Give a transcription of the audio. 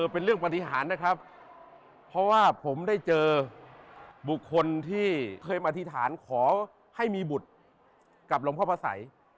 เป็นเรื่องปฏิหารนะครับเพราะว่าผมได้เจอบุคคลที่เคยมาอธิษฐานขอให้มีบุตรกับหลวงพ่อพระสัย